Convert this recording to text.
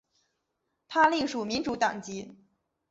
他隶属民主党籍。